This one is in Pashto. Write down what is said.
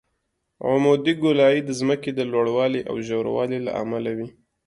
عمودي ګولایي د ځمکې د لوړوالي او ژوروالي له امله وي